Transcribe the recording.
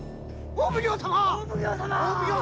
お奉行様！